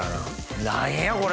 何やこれ？